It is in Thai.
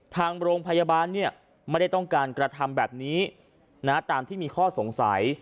ทางโรงพยาบาลเนี่ยไม่ได้ต้องการกระทำแบบนี้ตามที่มีข้อสงสัย